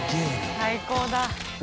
最高だ。